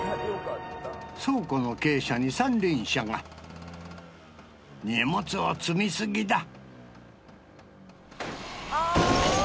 倉庫の傾斜に三輪車が荷物を積み過ぎだ